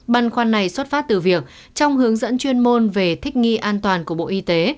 băn khoăn này xuất phát từ việc trong hướng dẫn chuyên môn về thích nghi an toàn của bộ y tế